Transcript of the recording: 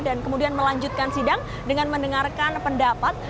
dan kemudian melanjutkan sidang dengan mendengarkan pendapat